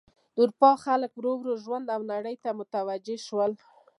د اروپا خلک ورو ورو ژوند او نړۍ ته متوجه شول.